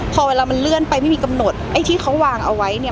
พอเวลามันเลื่อนไปไม่มีกำหนดไอ้ที่เขาวางเอาไว้เนี่ย